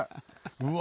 うわ。